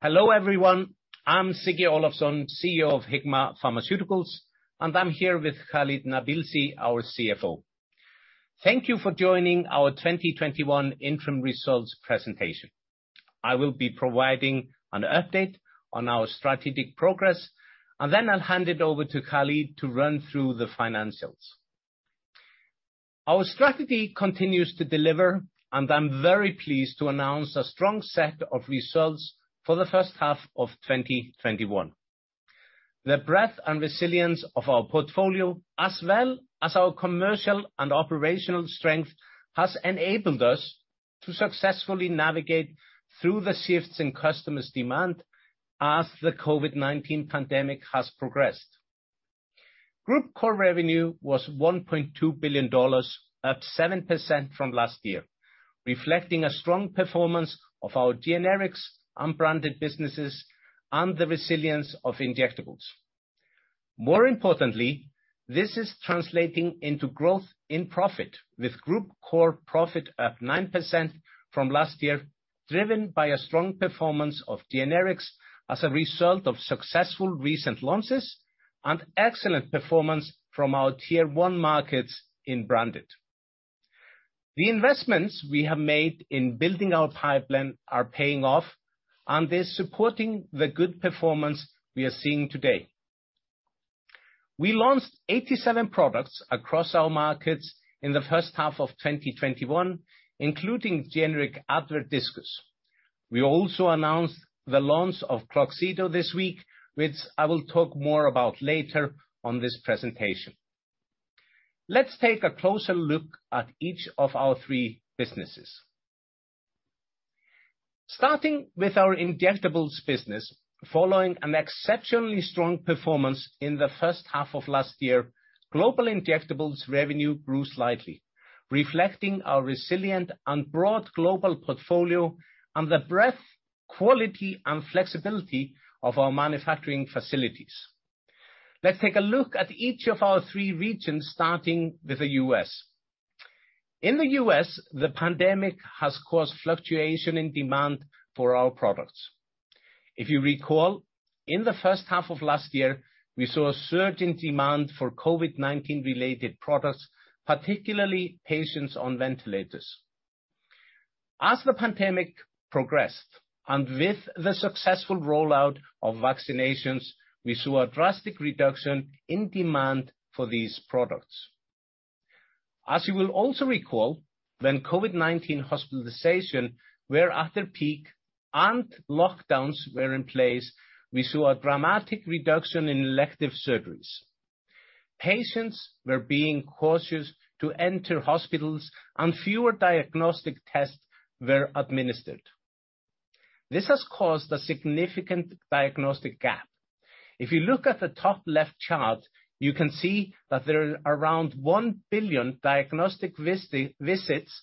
Hello, everyone. I'm Siggi Olafsson, CEO of Hikma Pharmaceuticals, and I'm here with Khalid Nabilsi, our CFO. Thank you for joining our 2021 interim results presentation. I will be providing an update on our strategic progress, then I'll hand it over to Khalid to run through the financials. Our strategy continues to deliver, I'm very pleased to announce a strong set of results for the first half of 2021. The breadth and resilience of our portfolio, as well as our commercial and operational strength, has enabled us to successfully navigate through the shifts in customers' demand as the COVID-19 pandemic has progressed. Group core revenue was $1.2 billion, up 7% from last year, reflecting a strong performance of our generics, unbranded businesses, and the resilience of injectables. More importantly, this is translating into growth in profit, with group core profit up 9% from last year, driven by a strong performance of generics as a result of successful recent launches and excellent performance from our Tier 1 markets in branded. They're supporting the good performance we are seeing today. We launched 87 products across our markets in the first half of 2021, including generic Advair Diskus. We also announced the launch of KLOXXADO this week, which I will talk more about later on this presentation. Let's take a closer look at each of our three businesses. Starting with our injectables business. Following an exceptionally strong performance in the first half of last year, global injectables revenue grew slightly, reflecting our resilient and broad global portfolio and the breadth, quality, and flexibility of our manufacturing facilities. Let's take a look at each of our three regions, starting with the U.S. In the U.S., the pandemic has caused fluctuation in demand for our products. If you recall, in the first half of last year, we saw a surge in demand for COVID-19 related products, particularly patients on ventilators. As the pandemic progressed, and with the successful rollout of vaccinations, we saw a drastic reduction in demand for these products. As you will also recall, when COVID-19 hospitalizations were at their peak and lockdowns were in place, we saw a dramatic reduction in elective surgeries. Patients were being cautious to enter hospitals and fewer diagnostic tests were administered. This has caused a significant diagnostic gap. If you look at the top left chart, you can see that there are around 1 billion diagnostic visits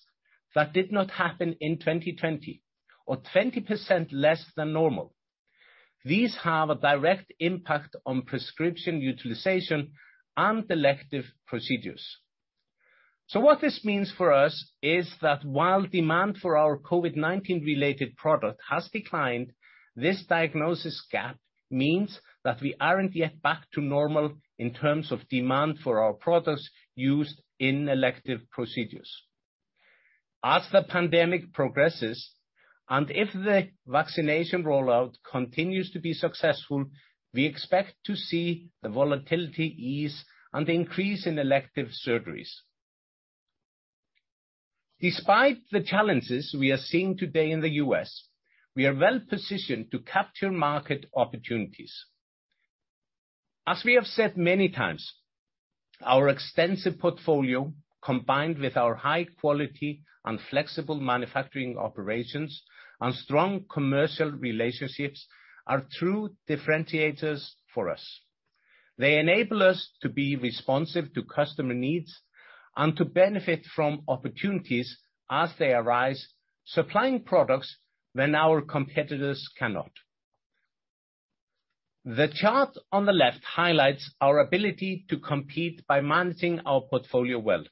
that did not happen in 2020, or 20% less than normal. These have a direct impact on prescription utilization and elective procedures. What this means for us is that while demand for our COVID-19 related product has declined, this diagnosis gap means that we aren't yet back to normal in terms of demand for our products used in elective procedures. As the pandemic progresses, and if the vaccination rollout continues to be successful, we expect to see the volatility ease and increase in elective surgeries. Despite the challenges we are seeing today in the U.S., we are well-positioned to capture market opportunities. As we have said many times, our extensive portfolio, combined with our high quality and flexible manufacturing operations and strong commercial relationships, are true differentiators for us. They enable us to be responsive to customer needs and to benefit from opportunities as they arise, supplying products when our competitors cannot. The chart on the left highlights our ability to compete by managing our portfolio well.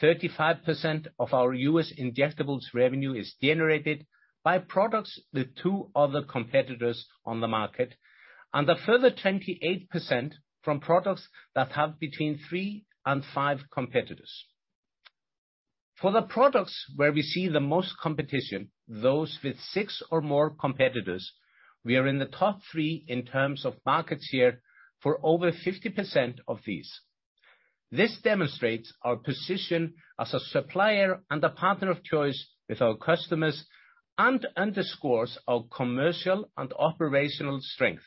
35% of our U.S. injectables revenue is generated by products with two other competitors on the market, and a further 28% from products that have between three and five competitors. For the products where we see the most competition, those with six or more competitors, we are in the top 3 in terms of market share for over 50% of these. This demonstrates our position as a supplier and a partner of choice with our customers and underscores our commercial and operational strength.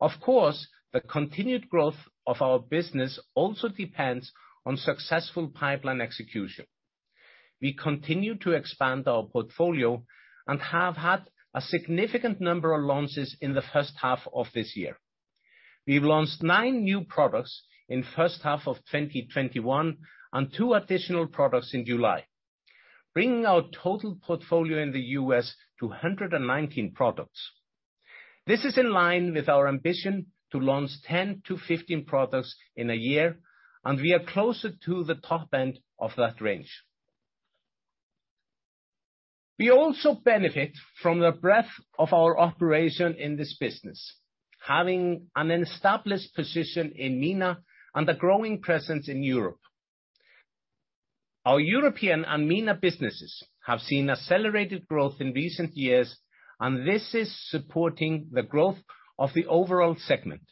Of course, the continued growth of our business also depends on successful pipeline execution. We continue to expand our portfolio and have had a significant number of launches in the first half of this year. We've launched new new products in first half of 2021 and two additional products in July, bringing our total portfolio in the U.S. to 119 products. This is in line with our ambition to launch 10-15 products in a year, and we are closer to the top end of that range. We also benefit from the breadth of our operation in this business, having an established position in MENA and a growing presence in Europe. Our European and MENA businesses have seen accelerated growth in recent years, and this is supporting the growth of the overall segment.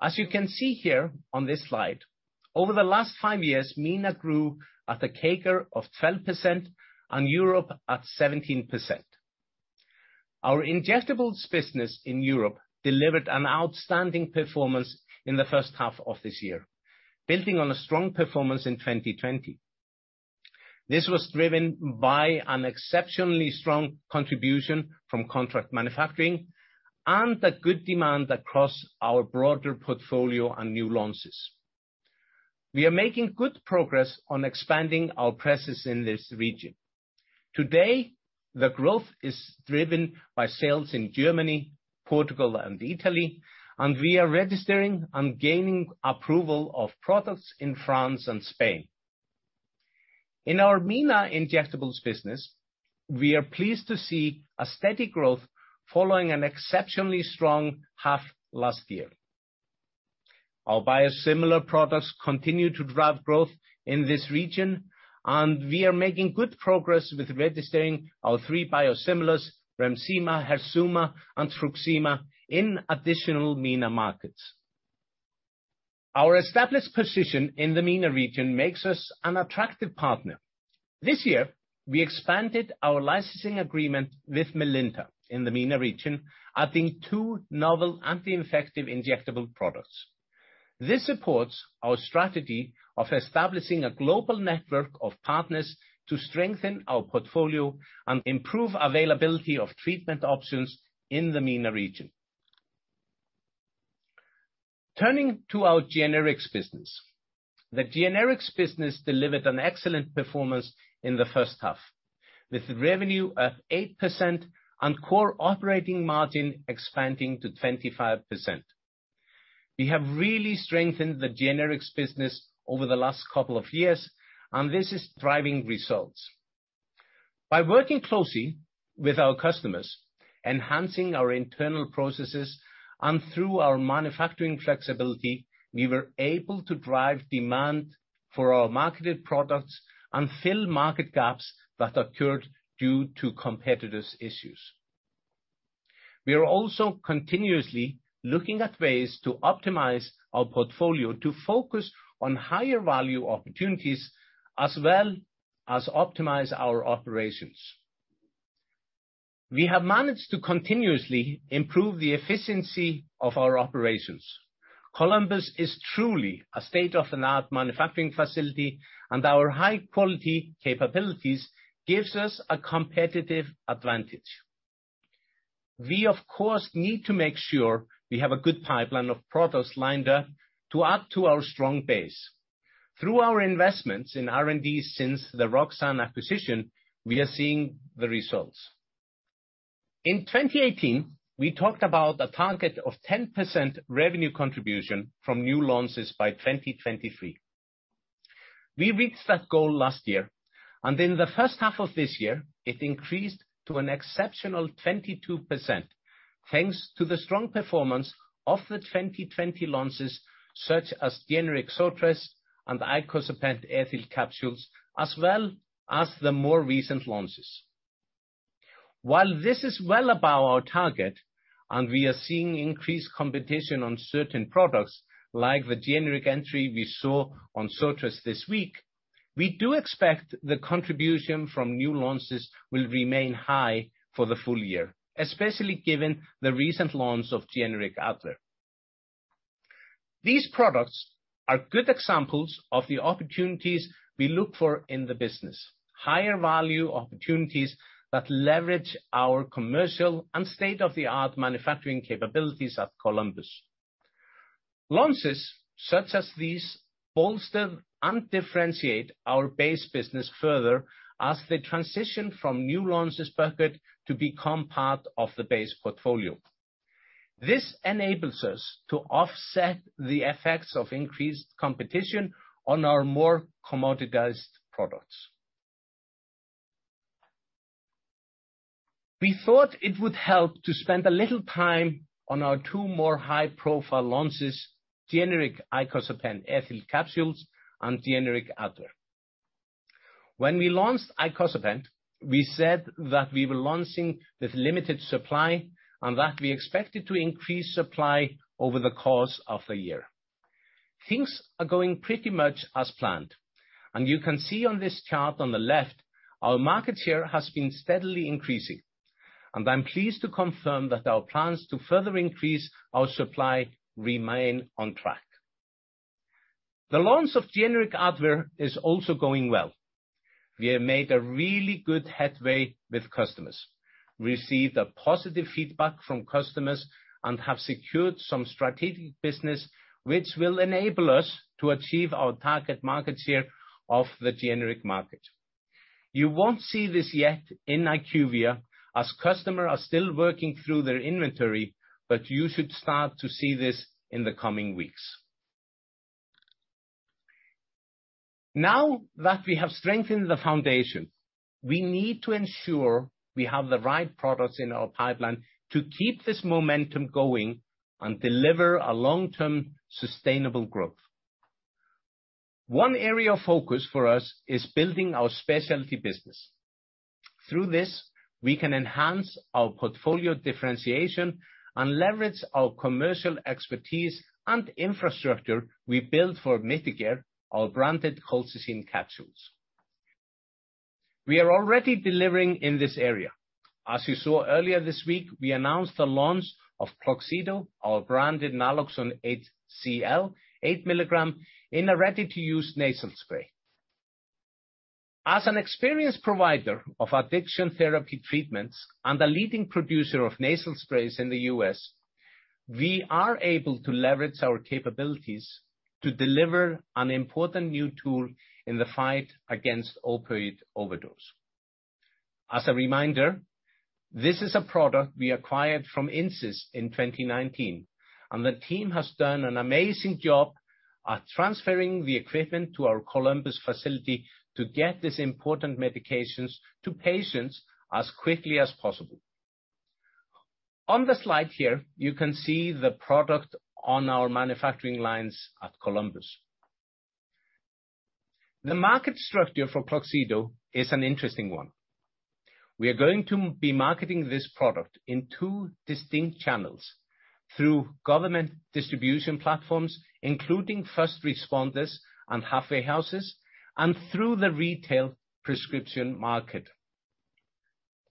As you can see here on this slide, over the last five years, MENA grew at a CAGR of 12% and Europe at 17%. Our injectables business in Europe delivered an outstanding performance in the first half of this year, building on a strong performance in 2020. This was driven by an exceptionally strong contribution from contract manufacturing and the good demand across our broader portfolio and new launches. We are making good progress on expanding our presence in this region. Today, the growth is driven by sales in Germany, Portugal, and Italy, and we are registering and gaining approval of products in France and Spain. In our MENA injectables business, we are pleased to see a steady growth following an exceptionally strong half last year. Our biosimilar products continue to drive growth in this region, and we are making good progress with registering our three biosimilars, Remsima, Herzuma, and TRUXIMA, in additional MENA markets. Our established position in the MENA region makes us an attractive partner. This year, we expanded our licensing agreement with Melinta in the MENA region, adding 2 novel anti-infective injectable products. This supports our strategy of establishing a global network of partners to strengthen our portfolio and improve availability of treatment options in the MENA region. Turning to our generics business. The generics business delivered an excellent performance in the first half, with revenue of 8% and core operating margin expanding to 25%. We have really strengthened the generics business over the last couple of years, and this is driving results. By working closely with our customers, enhancing our internal processes, and through our manufacturing flexibility, we were able to drive demand for our marketed products and fill market gaps that occurred due to competitive issues. We are also continuously looking at ways to optimize our portfolio to focus on higher value opportunities as well as optimize our operations. We have managed to continuously improve the efficiency of our operations. Columbus is truly a state-of-the-art manufacturing facility, and our high-quality capabilities gives us a competitive advantage. We of course, need to make sure we have a good pipeline of products lined up to add to our strong base. Through our investments in R&D since the Roxane acquisition, we are seeing the results. In 2018, we talked about a target of 10% revenue contribution from new launches by 2023. We reached that goal last year, and in the first half of this year, it increased to an exceptional 22%, thanks to the strong performance of the 2020 launches, such as generic Zortress and icosapent ethyl capsules, as well as the more recent launches. While this is well above our target and we are seeing increased competition on certain products, like the generic entry we saw on Zortress this week, we do expect the contribution from new launches will remain high for the full year, especially given the recent launch of generic Advair. These products are good examples of the opportunities we look for in the business, higher value opportunities that leverage our commercial and state-of-the-art manufacturing capabilities at Columbus. Launches such as these bolster and differentiate our base business further as they transition from new launches bucket to become part of the base portfolio. This enables us to offset the effects of increased competition on our more commoditized products. We thought it would help to spend a little time on our two more high-profile launches, generic icosapent ethyl capsules and generic Advair. When we launched icosapent, we said that we were launching with limited supply and that we expected to increase supply over the course of the year. Things are going pretty much as planned, and you can see on this chart on the left, our market share has been steadily increasing. I'm pleased to confirm that our plans to further increase our supply remain on track. The launch of generic Advair is also going well. We have made a really good headway with customers, received a positive feedback from customers, and have secured some strategic business which will enable us to achieve our target market share of the generic market. You won't see this yet in IQVIA, as customers are still working through their inventory, but you should start to see this in the coming weeks. We have strengthened the foundation, we need to ensure we have the right products in our pipeline to keep this momentum going and deliver a long-term sustainable growth. One area of focus for us is building our specialty business. Through this, we can enhance our portfolio differentiation and leverage our commercial expertise and infrastructure we built for MITIGARE, our branded colchicine capsules. We are already delivering in this area. As you saw earlier this week, we announced the launch of KLOXXADO, our branded naloxone HCl 8 mg in a ready-to-use nasal spray. As an experienced provider of addiction therapy treatments and a leading producer of nasal sprays in the U.S., we are able to leverage our capabilities to deliver an important new tool in the fight against opioid overdose. As a reminder, this is a product we acquired from Insys in 2019, and the team has done an amazing job at transferring the equipment to our Columbus facility to get these important medications to patients as quickly as possible. On the slide here, you can see the product on our manufacturing lines at Columbus. The market structure for KLOXXADO is an interesting one. We are going to be marketing this product in two distinct channels: through government distribution platforms, including first responders and halfway houses, and through the retail prescription market.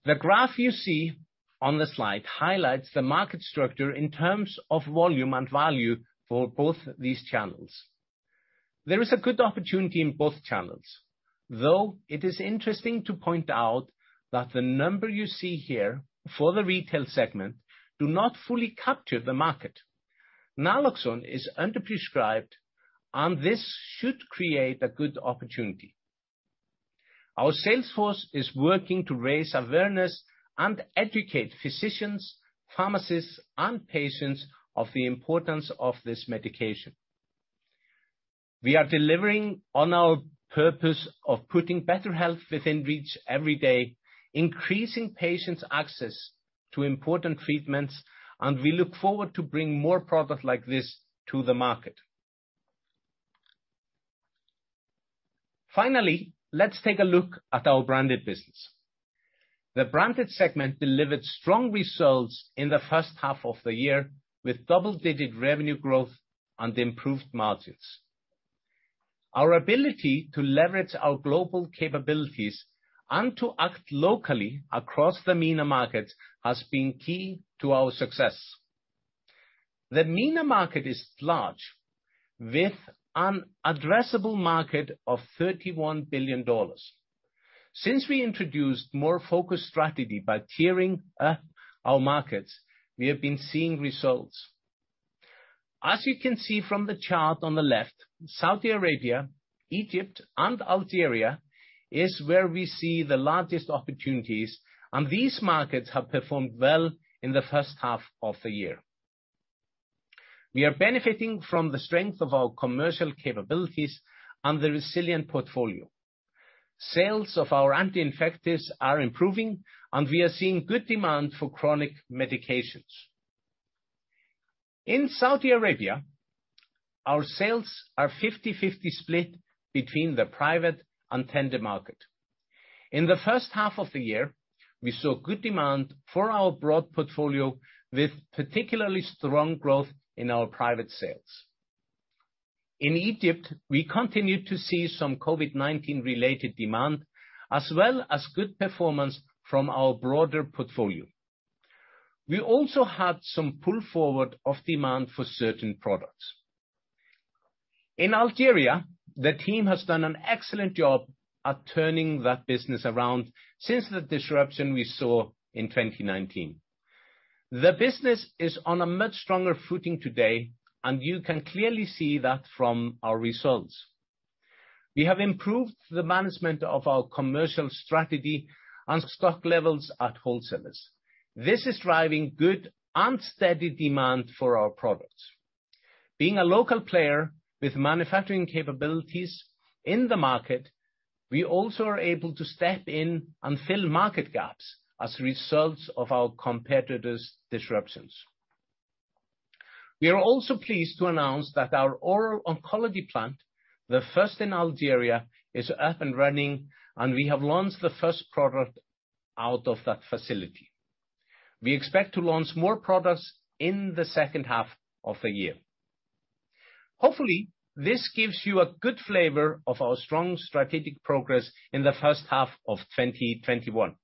The graph you see on the slide highlights the market structure in terms of volume and value for both these channels. There is a good opportunity in both channels. It is interesting to point out that the number you see here for the retail segment do not fully capture the market. naloxone is under-prescribed, and this should create a good opportunity. Our sales force is working to raise awareness and educate physicians, pharmacists, and patients of the importance of this medication. We are delivering on our purpose of putting better health within reach every day, increasing patients' access to important treatments, and we look forward to bring more product like this to the market. Finally, let's take a look at our branded business. The branded segment delivered strong results in the first half of the year, with double-digit revenue growth and improved margins. Our ability to leverage our global capabilities and to act locally across the MENA market has been key to our success. The MENA market is large, with an addressable market of $31 billion. Since we introduced more focused strategy by tiering our markets, we have been seeing results. As you can see from the chart on the left, Saudi Arabia, Egypt, and Algeria is where we see the largest opportunities, and these markets have performed well in the first half of the year. We are benefiting from the strength of our commercial capabilities and the resilient portfolio. Sales of our anti-infectives are improving, and we are seeing good demand for chronic medications. In Saudi Arabia, our sales are 50/50 split between the private and tender market. In the first half of the year, we saw good demand for our broad portfolio, with particularly strong growth in our private sales. In Egypt, we continue to see some COVID-19 related demand, as well as good performance from our broader portfolio. We also had some pull forward of demand for certain products. In Algeria, the team has done an excellent job at turning that business around since the disruption we saw in 2019. The business is on a much stronger footing today, and you can clearly see that from our results. We have improved the management of our commercial strategy and stock levels at wholesalers. This is driving good and steady demand for our products. Being a local player with manufacturing capabilities in the market, we also are able to step in and fill market gaps as a result of our competitors' disruptions. We are also pleased to announce that our oral oncology plant, the first in Algeria, is up and running, and we have launched the first product out of that facility. We expect to launch more products in the second half of the year. Hopefully, this gives you a good flavor of our strong strategic progress in H1 2021.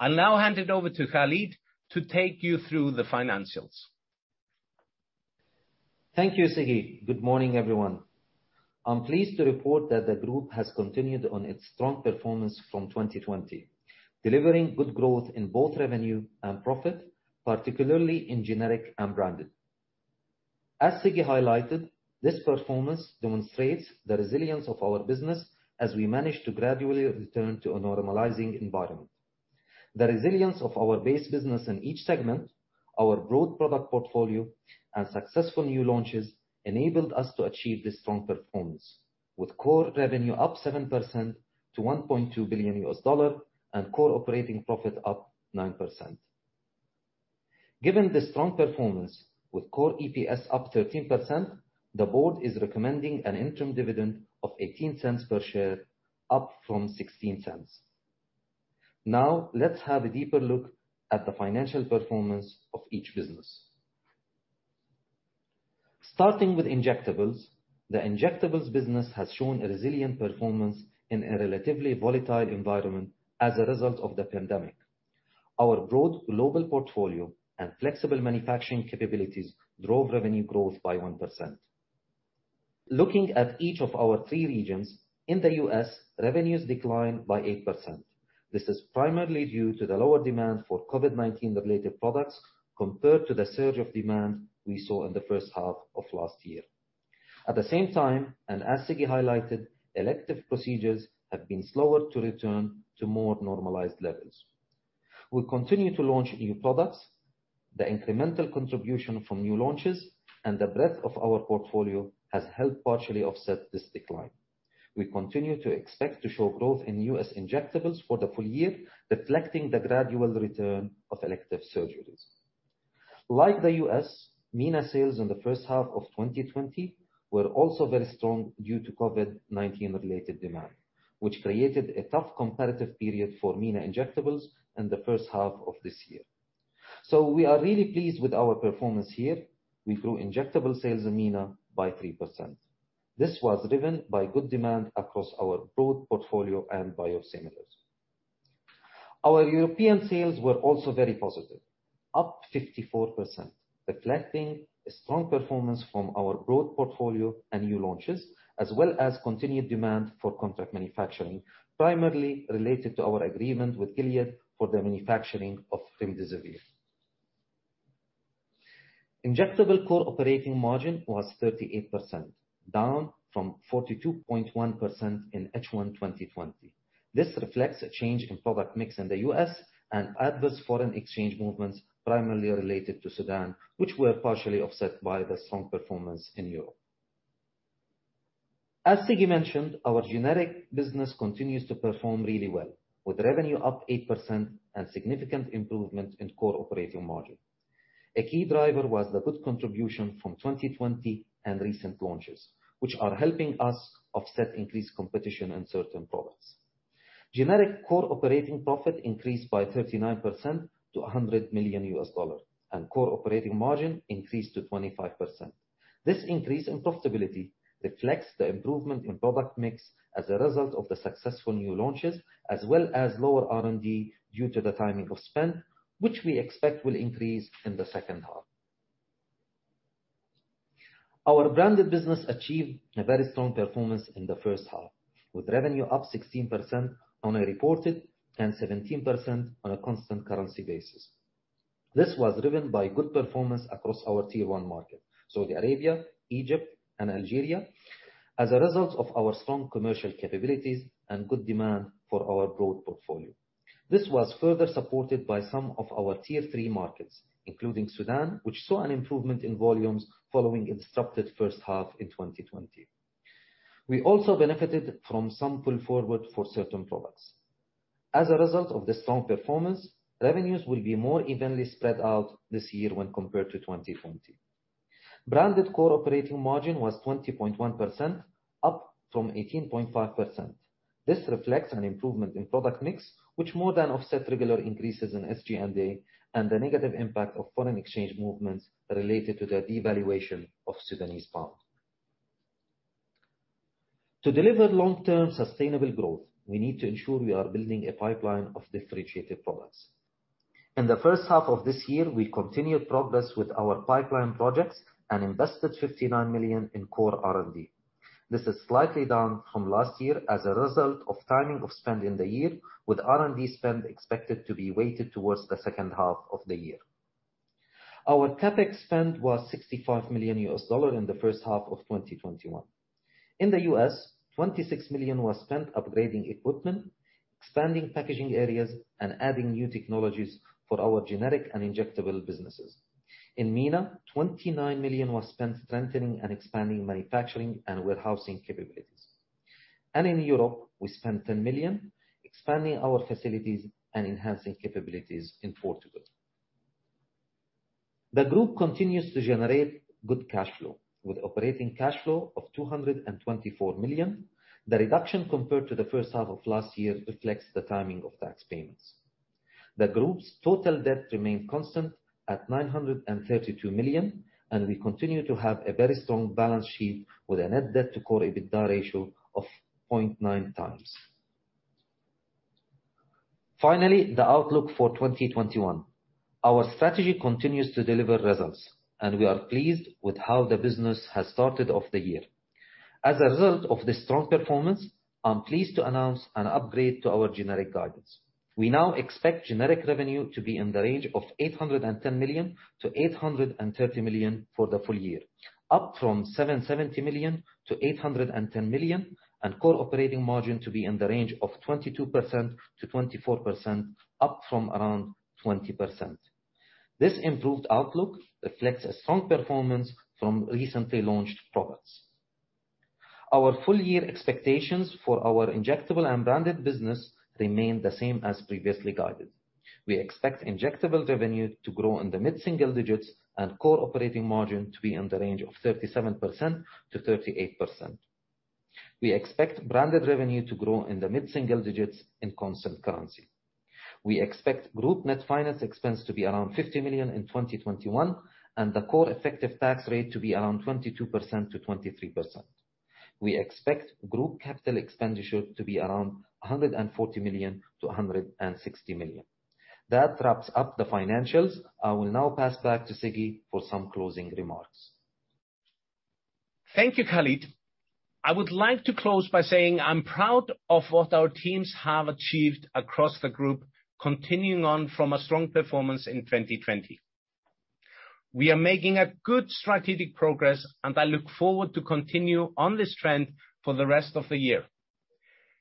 I'll now hand it over to Khalid to take you through the financials. Thank you, Siggi. Good morning, everyone. I'm pleased to report that the group has continued on its strong performance from 2020, delivering good growth in both revenue and profit, particularly in generic and branded. As Siggi highlighted, this performance demonstrates the resilience of our business as we managed to gradually return to a normalizing environment. The resilience of our base business in each segment, our broad product portfolio, and successful new launches enabled us to achieve this strong performance, with core revenue up 7% to $1.2 billion, and core operating profit up 9%. Given this strong performance, with core EPS up 13%, the board is recommending an interim dividend of $0.18 per share, up from $0.16. Now, let's have a deeper look at the financial performance of each business. Starting with injectables, the injectables business has shown a resilient performance in a relatively volatile environment as a result of the pandemic. Our broad global portfolio and flexible manufacturing capabilities drove revenue growth by 1%. Looking at each of our three regions, in the U.S., revenues declined by 8%. This is primarily due to the lower demand for COVID-19 related products compared to the surge of demand we saw in the first half of last year. At the same time, as Siggi highlighted, elective procedures have been slower to return to more normalized levels. We continue to launch new products. The incremental contribution from new launches and the breadth of our portfolio has helped partially offset this decline. We continue to expect to show growth in U.S. injectables for the full year, reflecting the gradual return of elective surgeries. Like the U.S., MENA sales in the first half of 2020 were also very strong due to COVID-19 related demand, which created a tough comparative period for MENA injectables in the first half of this year. We are really pleased with our performance here. We grew injectable sales in MENA by 3%. This was driven by good demand across our broad portfolio and biosimilars. Our European sales were also very positive, up 54%, reflecting a strong performance from our broad portfolio and new launches, as well as continued demand for contract manufacturing, primarily related to our agreement with Gilead for the manufacturing of remdesivir. Injectable core operating margin was 38%, down from 42.1% in H1 2020. This reflects a change in product mix in the U.S. and adverse foreign exchange movements primarily related to Sudan, which were partially offset by the strong performance in Europe. As Siggi mentioned, our generic business continues to perform really well, with revenue up 8% and significant improvement in core operating margin. A key driver was the good contribution from 2020 and recent launches, which are helping us offset increased competition in certain products. Generic core operating profit increased by 39% to $100 million, and core operating margin increased to 25%. This increase in profitability reflects the improvement in product mix as a result of the successful new launches, as well as lower R&D due to the timing of spend, which we expect will increase in the second half. Our branded business achieved a very strong performance in the first half, with revenue up 16% on a reported, and 17% on a constant currency basis. This was driven by good performance across our Tier 1 market, Saudi Arabia, Egypt, and Algeria, as a result of our strong commercial capabilities and good demand for our broad portfolio. This was further supported by some of our Tier 3 markets, including Sudan, which saw an improvement in volumes following its disrupted first half in 2020. We also benefited from some pull forward for certain products. As a result of this strong performance, revenues will be more evenly spread out this year when compared to 2020. Branded core operating margin was 20.1%, up from 18.5%. This reflects an improvement in product mix, which more than offset regular increases in SG&A and the negative impact of foreign exchange movements related to the devaluation of Sudanese pound. To deliver long-term sustainable growth, we need to ensure we are building a pipeline of differentiated products. In the first half of this year, we continued progress with our pipeline projects and invested $59 million in core R&D. This is slightly down from last year as a result of timing of spend in the year, with R&D spend expected to be weighted towards the second half of the year. Our CapEx spend was $65 million in the first half of 2021. In the U.S., $26 million was spent upgrading equipment, expanding packaging areas, and adding new technologies for our generic and injectable businesses. In MENA, $29 million was spent strengthening and expanding manufacturing and warehousing capabilities. In Europe, we spent $10 million expanding our facilities and enhancing capabilities in Portugal. The group continues to generate good cash flow with operating cash flow of $224 million. The reduction compared to the first half of last year reflects the timing of tax payments. The group's total debt remained constant at $932 million, and we continue to have a very strong balance sheet with a net debt to core EBITDA ratio of 0.9x. Finally, the outlook for 2021. Our strategy continues to deliver results, and we are pleased with how the business has started off the year. As a result of this strong performance, I'm pleased to announce an upgrade to our generic guidance. We now expect generic revenue to be in the range of $810 million-$830 million for the full year, up from $770 million-$810 million, and core operating margin to be in the range of 22%-24%, up from around 20%. This improved outlook reflects a strong performance from recently launched products. Our full year expectations for our injectable and branded business remain the same as previously guided. We expect injectable revenue to grow in the mid-single digits and core operating margin to be in the range of 37%-38%. We expect branded revenue to grow in the mid-single digits in constant currency. We expect group net finance expense to be around $50 million in 2021, and the core effective tax rate to be around 22%-23%. We expect group capital expenditure to be around $140 million-$160 million. That wraps up the financials. I will now pass back to Siggi for some closing remarks. Thank you, Khalid. I would like to close by saying I'm proud of what our teams have achieved across the group, continuing on from a strong performance in 2020. We are making a good strategic progress, and I look forward to continue on this trend for the rest of the year.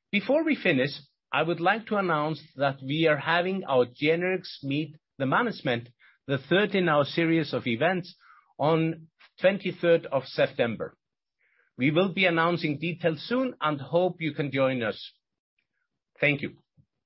Before we finish, I would like to announce that we are having our Generics Meet the Management, the third in our series of events, on 23rd of September. We will be announcing details soon and hope you can join us. Thank you.